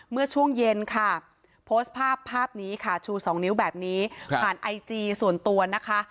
เมื่อช่วงเย็นค่ะโพสต์ภาพภาพนี้ค่ะชูสองนิ้วแบบนี้ผ่านไอจีส่วนตัวนะคะ